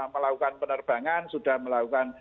melakukan penerbangan sudah melakukan